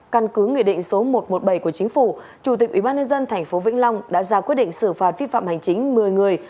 căn cứ nghị định số một trăm một mươi bảy của chính phủ chủ tịch ubnd tp vĩnh long đã ra quyết định xử phạt vi phạm hành chính một mươi người